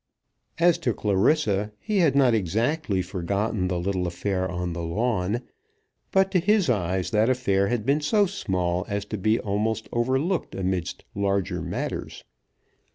As to Clarissa, he had not exactly forgotten the little affair on the lawn; but to his eyes that affair had been so small as to be almost overlooked amidst larger matters.